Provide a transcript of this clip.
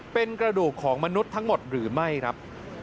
เป็นกระดูกของมนุษย์ทั้งหมดหรือไม่ครับ